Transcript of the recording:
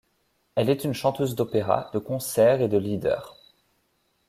Elle est une chanteuse d'opéra, de concert et de lieder.